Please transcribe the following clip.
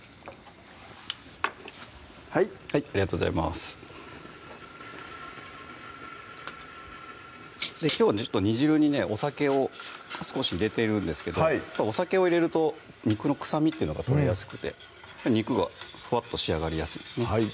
はいはいありがとうございますきょう煮汁にねお酒を少し入れてるんですけどお酒を入れると肉の臭みというのが取れやすくて肉がふわっと仕上がりやすいんですね